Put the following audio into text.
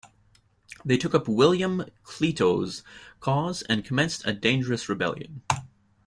They took up William Clito's cause and commenced a dangerous rebellion.